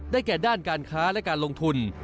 แก่ด้านการค้าและการลงทุน